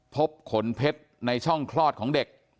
ขนเพชรในช่องคลอดของเด็ก